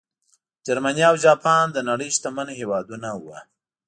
جرمني او جاپان د نړۍ شتمن هېوادونه وو.